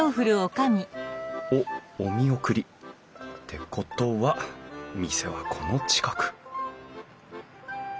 おっお見送り。ってことは店はこの近く！